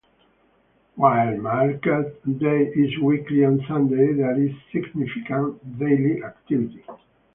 While "market day" is weekly on Sunday, there is significant daily activity.